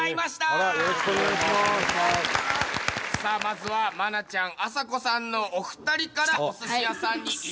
さあまずは愛菜ちゃんあさこさんのお二人からお寿司屋さんに行ってください。